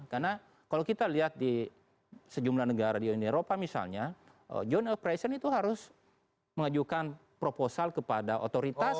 karena kalau kita lihat di sejumlah negara di uni eropa misalnya joint operation itu harus mengajukan proposal kepada otoritas